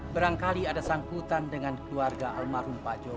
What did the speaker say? berangkali ada sangkutan dengan keluarga almarhum pak jokowi